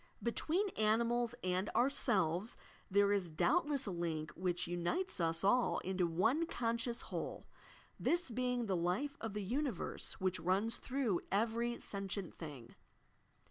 Between animals and ourselves there is doubtless a link which unites us all into one conscious whole, — this being the life of the universe which runs through every sentient thing.